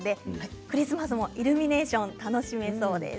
クリスマスのイルミネーションを楽しめそうです。